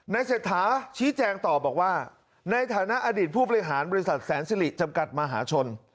เศรษฐาชี้แจงต่อบอกว่าในฐานะอดีตผู้บริหารบริษัทแสนสิริจำกัดมหาชน